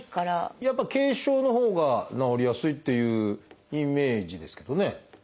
やっぱ軽症のほうが治りやすいっていうイメージですけどね。